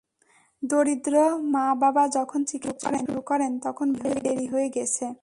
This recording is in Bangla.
দরিদ্র মা-বাবা যখন চিকিৎসা শুরু করেন, তখন বেশ দেরি হয়ে গেছে।